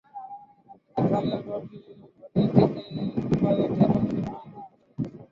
এতে খালের ভাটির দিকের প্রায় অর্ধেক অংশের পানি দূষিত হয়ে গেছে।